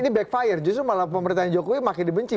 ini backfire justru malah pemerintahan jokowi makin dibenci